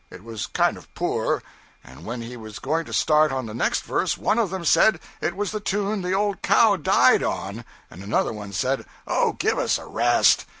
It was kind of poor, and when he was going to start on the next verse one of them said it was the tune the old cow died on; and another one said, 'Oh, give us a rest.'